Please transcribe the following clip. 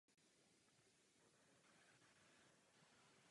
Ovšem do soutěže z vlastního rozhodnutí nezasáhl.